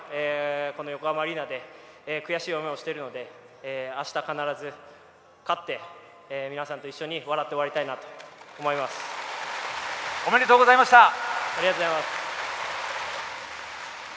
この横浜アリーナで悔しい思いをしているのであした必ず勝って皆さんと一緒におめでとうございました。